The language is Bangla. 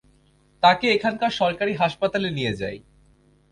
তাকে এখানকার সরকারি হাসপাতালে নিয়ে যাই।